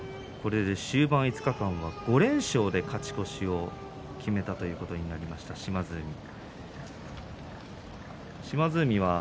終盤５日間は５連勝で勝ち越しを決めたことになりました島津海。